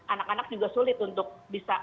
anak anak juga sulit untuk bisa